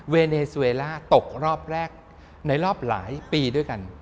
เนซูเอล่าตกรอบแรกในรอบหลายปีด้วยกัน